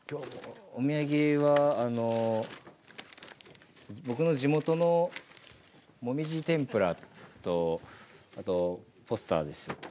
お土産はあの僕の地元のもみじ天ぷらとあとポスターです。